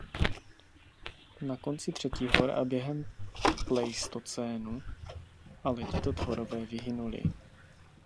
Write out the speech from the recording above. Na konci třetihor a během pleistocénu ale tito tvorové vyhynuli.